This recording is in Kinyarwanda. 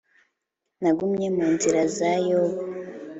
Nagumye mu nzira za yobu